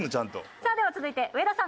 さあでは続いて上田さん